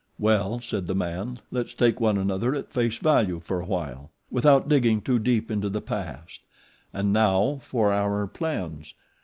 "Well," said the man, "let's take one another at face value for a while, without digging too deep into the past; and now for our plans.